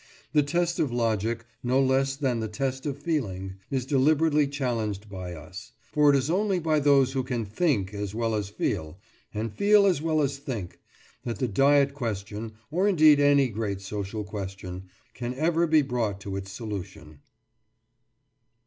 The test of logic, no less than the test of feeling, is deliberately challenged by us; for it is only by those who can think as well as feel, and feel as well as think, that the diet question, or indeed any great social question, can ever be brought to its solution.